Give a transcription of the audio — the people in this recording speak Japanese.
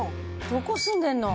「どこ住んでるの？」